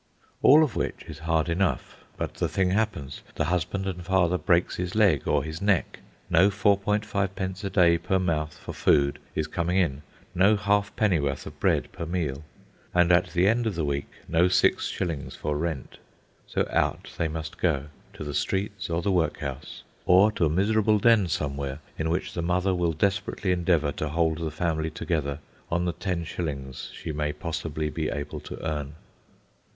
All of which is hard enough. But the thing happens; the husband and father breaks his leg or his neck. No 4.5d. a day per mouth for food is coming in; no halfpennyworth of bread per meal; and, at the end of the week, no six shillings for rent. So out they must go, to the streets or the workhouse, or to a miserable den, somewhere, in which the mother will desperately endeavour to hold the family together on the ten shillings she may possibly be able to earn.